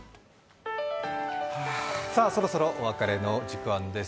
そろそろお別れの時間です。